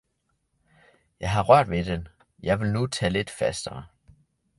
jeg har rørt ved den, jeg vil nu tage lidt fastere.